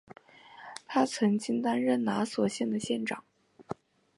他曾经担任拿索县的县长。